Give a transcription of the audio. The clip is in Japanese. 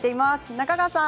中川さん！